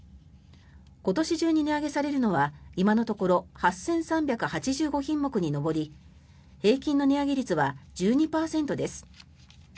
今年中に値上げされるのは今のところ８３８５品目に上り平均の値上げ率は１２％です。